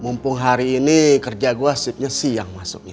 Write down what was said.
mumpung hari ini kerja gue sipnya siang masuknya